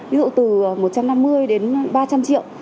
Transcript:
ví dụ từ một trăm năm mươi đến ba trăm chín mươi